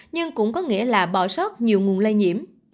nhưng cũng có nghĩa là bò sót nhiều nguồn lây nhiễm